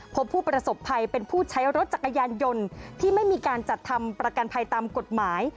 พบผู้ประสบภัยเป็นผู้ใช้รถจักรยานยนต์ที่ไม่มีการจัดทำประกันภัยตามกฎหมาย